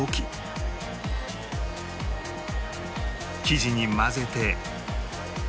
生地に混ぜて